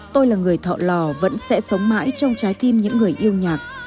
tôi là người thọ lò vẫn sẽ sống mãi trong trái tim những người yêu nhạc